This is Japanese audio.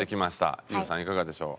ＹＯＵさんいかがでしょう？